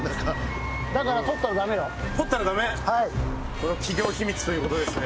これは企業秘密ということですね。